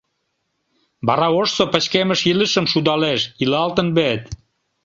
Вара ожсо пычкемыш илышым шудалеш: «Илалтын вет!